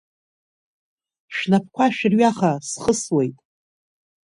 Шәнапқәа шәырҩаха, схысуеит!